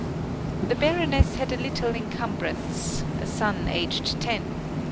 The Baroness had a little encumbrance a son aged ten.